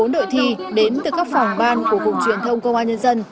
một mươi bốn đội thi đến từ các phòng ban của cục truyền thông công an nhân dân